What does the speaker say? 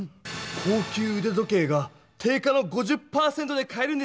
高級うで時計が定価の５０％で買えるんですよ！